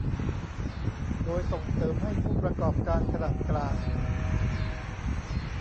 โดยส่งเสริมให้ผู้ประกอบการขนาดกลาง